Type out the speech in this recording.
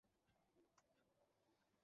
একটা মাধ্যমিক স্কুলে পড়তে চেয়েছিলাম।